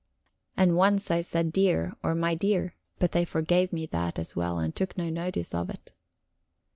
And once I said "dear," or "my dear," but they forgave me that as well, and took no notice of it.